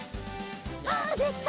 はあできた！